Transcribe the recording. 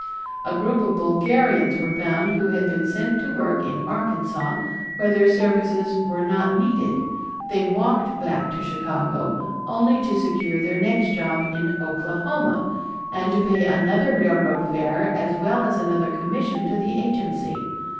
A group of Bulgarians were found who had been sent to work in Arkansas where their services were not needed; they walked back to Chicago only to secure their next job in Oklahoma and to pay another railroad fare as well as another commission to the agency.